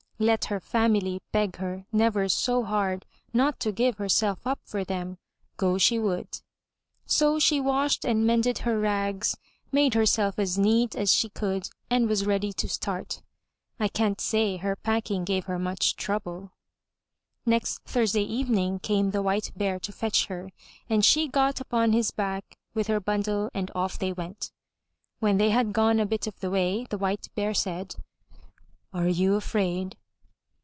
Let her family beg her never so hard not to give herself up for them, go she would. So she washed and mended her rags, made herself as neat as she could and was ready to start. I can't say her packing gave her much trouble. Next Thursday evening came the White Bear to fetch her, and she got upon his back with her bundle and off they went. When they had gone a bit of the way, the White Bear said: "Are you afraid?"